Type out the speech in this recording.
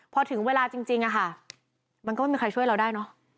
พอถึงเวลาจริงอะค่ะมันก็ไม่มีใครช่วยเราได้เนอะ